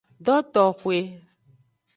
Dotoxwe.